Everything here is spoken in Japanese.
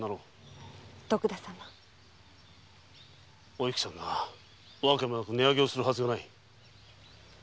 お幸さんが訳もなく値上げをするはずがない。